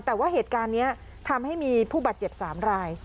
แต่ว่าเหตุการณ์นี้ทำให้มีผู้บาดเจ็บ๓ราย